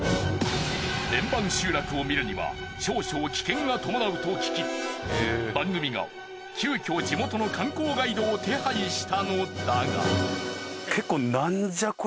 円盤集落を見るには少々危険が伴うと聞き番組が急きょ地元の観光ガイドを手配したのだが。